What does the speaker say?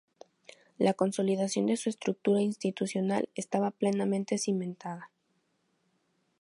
La consolidación de su estructura institucional estaba plenamente cimentada.